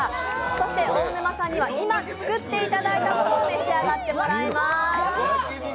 そして大沼さんには今、作っていただいたものを召し上がってもらいます。